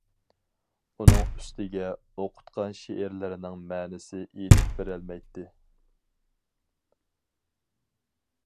ئۇنىڭ ئۈستىگە، ئوقۇتقان شېئىرلىرىنىڭ مەنىسى ئېيتىپ بېرەلمەيتتى.